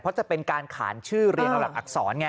เพราะจะเป็นการขานชื่อเรียงเอาหลักอักษรไง